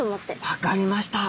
分かりました。